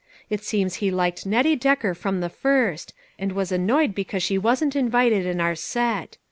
It seems he liked Nettie Decker from the first, and was an noyed because she wasn't invited in our set.